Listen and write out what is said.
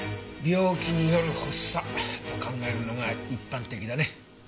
病気による発作と考えるのが一般的だね。